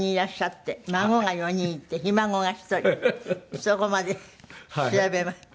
そこまで調べました。